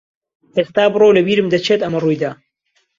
ئێستا بڕۆ و لەبیرم دەچێت ئەمە ڕووی دا.